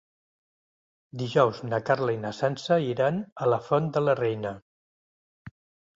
Dijous na Carla i na Sança iran a la Font de la Reina.